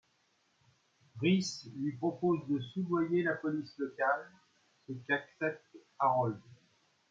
Rice lui propose de soudoyer la police locale, ce qu'accepte Harold.